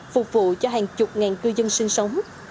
phục vụ cho hàng chục ngàn cư dân sinh sống